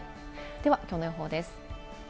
ではきょうの予報です。